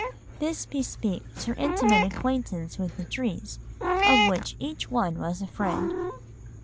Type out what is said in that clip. This bespeaks her intimate acquaintance with the trees, of which each one was a friend.